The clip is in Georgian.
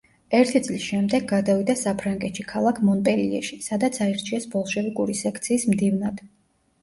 ერთი წლის შემდეგ გადავიდა საფრანგეთში, ქალაქ მონპელიეში, სადაც აირჩიეს ბოლშევიკური სექციის მდივნად.